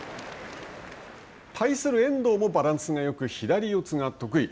対する遠藤もバランスがよく左四つが得意。